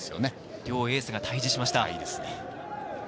両エースが対峙しました。